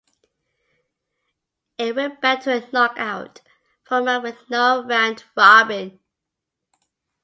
It went back to a knock-out format with no round-robin.